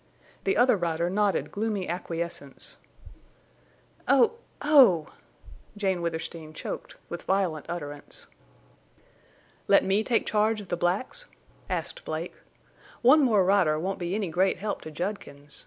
The other rider nodded gloomy acquiescence. "Oh! Oh!" Jane Withersteen choked, with violent utterance. "Let me take charge of the blacks?" asked Blake. "One more rider won't be any great help to Judkins.